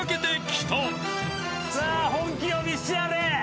さあ本気を見せてやれ。